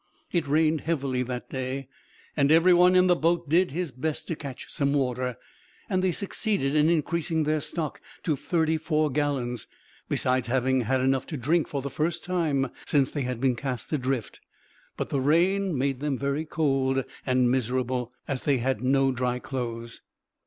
It rained heavily that day, and every one in the boat did his best to catch some water, and they succeeded in increasing their stock to thirty four gallons, besides having had enough to drink for the first time since they had been cast adrift; but the rain made them very cold and miserable, as they had no dry clothes.